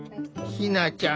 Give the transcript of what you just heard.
ひなちゃん